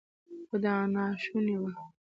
خو دا ناشونې وه.